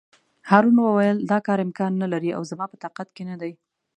هارون وویل: دا کار امکان نه لري او زما په طاقت کې نه دی.